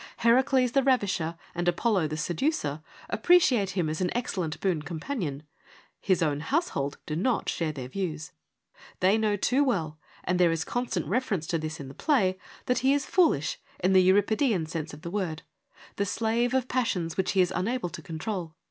Heracles the ravisher, and Apollo the seducer, appreciate him as an excellent boon companion : his own household do not share their views. They know too well — and there is constant reference to this in the play — that he is ' foolish ' in the Euripidean sense of the word, the slave of passions which he is unable to control.